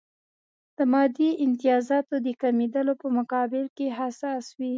د مادي امتیازاتو د کمېدلو په مقابل کې حساس وي.